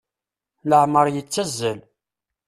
Leɛmer yettazzal.